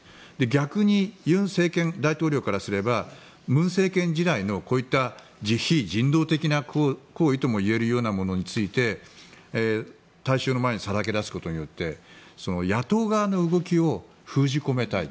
逆に尹政権、大統領からすれば文政権時代のこういった非人道的な行為ともいえるものについて大衆の前にさらけ出すことで野党側の動きを封じ込めたい。